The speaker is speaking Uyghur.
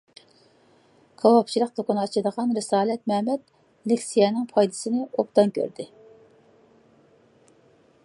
كاۋاپچىلىق دۇكىنى ئاچىدىغان رىسالەت مەمەت لېكسىيەنىڭ پايدىسىنى ئوبدان كۆردى.